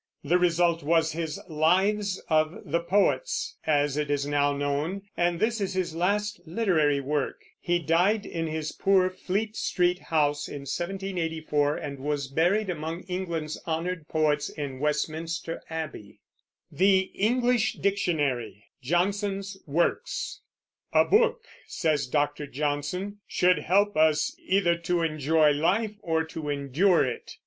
The result was his Lives of the Poets, as it is now known, and this is his last literary work. He died in his poor Fleet Street house, in 1784, and was buried among England's honored poets in Westminster Abbey. JOHNSON'S WORKS. "A book," says Dr. Johnson, "should help us either to enjoy life or to endure it."